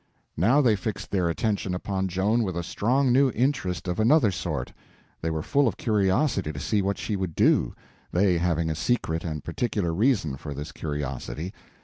Now they fixed their attention upon Joan with a strong new interest of another sort; they were full of curiosity to see what she would do—they having a secret and particular reason for this curiosity.